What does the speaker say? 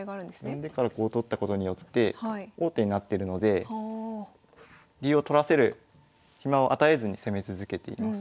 呼んでからこう取ったことによって王手になってるので竜を取らせる暇を与えずに攻め続けています。